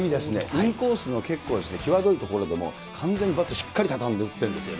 インコースの結構きわどい所でも完全にバットしっかり畳んで打ってるんですよね。